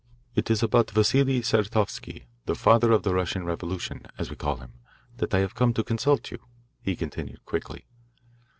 "It is about Vassili Saratovsky, the father of the Russian revolution, as we call him, that I have come to consult you," he continued quickly.